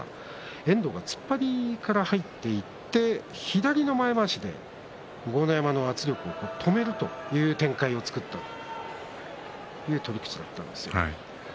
遠藤が突っ張りから入っていって左の前まわしで豪ノ山の圧力を止めるという展開を作りました。